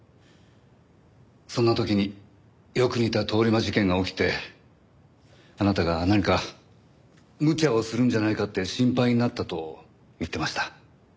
そんな時によく似た通り魔事件が起きてあなたが何かむちゃをするんじゃないかって心配になったと言ってました。